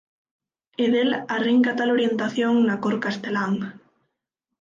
E del arrinca tal orientación na cor castelán.